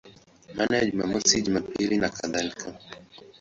Maana ya Jumamosi, Jumapili nakadhalika.